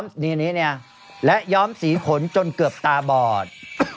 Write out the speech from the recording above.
นี่และย้อมสีขนจนเกือบตาบอด